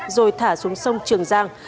rồi thả xuống sông trường giang